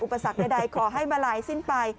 ปักใดขอให้มาลายสิ้นไป